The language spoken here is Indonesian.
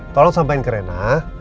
tolong sampaikan ke reina